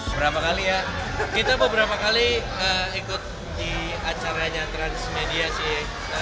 berapa kali ya kita beberapa kali ikut di acaranya transmedia sih